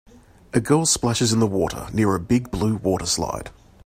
A girl splashes in the water near a big blue water slide.